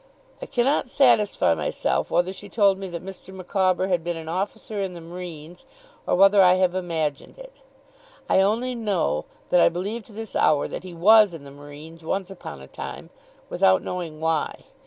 I cannot satisfy myself whether she told me that Mr. Micawber had been an officer in the Marines, or whether I have imagined it. I only know that I believe to this hour that he WAS in the Marines once upon a time, without knowing why.